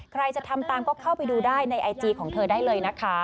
ใครจะทำตามก็เข้าไปดูได้ในไอจีของเธอได้เลยนะคะ